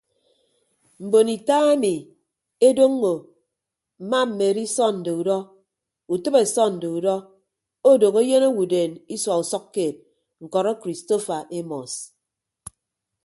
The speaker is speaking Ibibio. Mbon ita ami edoñño mma mmedi sọnde udọ utịbe sọnde udọ odooho eyịn owodeen isua usʌkkeed ñkọrọ kristofa emọs.